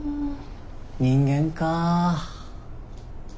人間かあ。